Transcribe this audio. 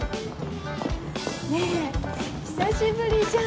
ねえ久しぶりじゃん！